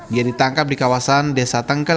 dia ditangkap di kawasan desa tengkel